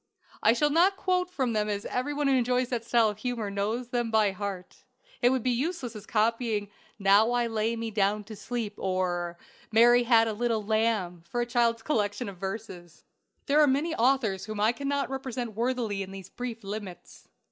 I shall not quote from them, as every one who enjoys that style of humor knows them by heart. It would be as useless as copying "Now I lay me down to sleep," or "Mary had a little lamb," for a child's collection of verses! There are many authors whom I cannot represent worthily in these brief limits.